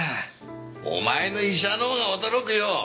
お前の医者のほうが驚くよ！